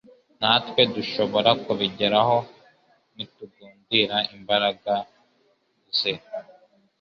natwe dushobora kubigeraho nitugundira imbaraga ze.